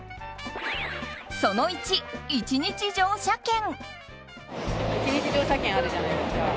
その１、一日乗車券。